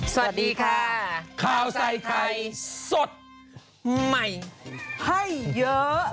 สวัสดีค่ะข้าวใส่ไข่สดใหม่ให้เยอะ